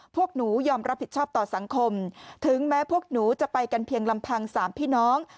พวกหนูยอมรับผิดชอบต่อสังคมถึงแม้พวกหนูจะไปกันเพียงลำพังสามพี่น้อง